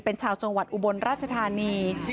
เป็นชาวจังหวัดอุบลราชธานี